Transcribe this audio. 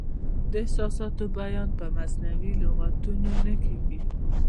د احساساتو بیان په مصنوعي لغتونو نه کیږي.